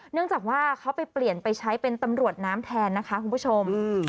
เนื่องจากว่าเขาไปเปลี่ยนไปใช้เป็นตำรวจน้ำแทนนะคะคุณผู้ชม